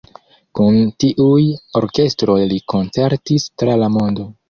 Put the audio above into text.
Kun tiuj orkestroj li koncertis tra la mondo.